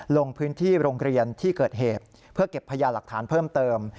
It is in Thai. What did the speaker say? ลงพื้นที่โรงเรียนที่เกิดเหตุเพื่อเก็บพยาหลักฐานเพิ่มเติม